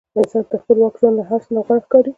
انسان ته خپلواک ژوند له هر څه نه غوره ښکاري.